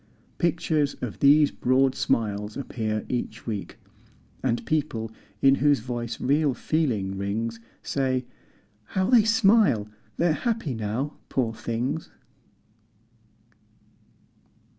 Pictures of these broad smiles appear each week, And people in whose voice real feeling rings Say: How they smile! They're happy now, poor things.